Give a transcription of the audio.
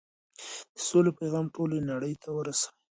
د سولې پيغام ټولې نړۍ ته ورسوئ.